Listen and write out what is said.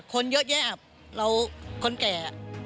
คนเยอะแยะเราคนแก่